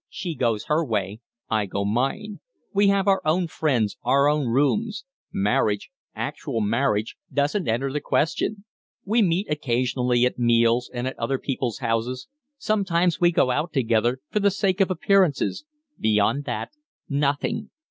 She goes her way; I go mine. We have our own friends, our own rooms. Marriage, actual marriage, doesn't enter the question. We meet occasionally at meals, and at other people's houses; sometimes we go out together for the sake of appearances; beyond that, nothing.